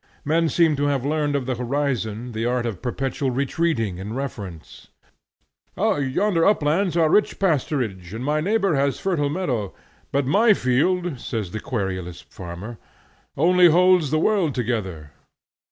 Men seem to have learned of the horizon the art of perpetual retreating and reference. 'Yonder uplands are rich pasturage, and my neighbor has fertile meadow, but my field,' says the querulous farmer, 'only holds the world together.'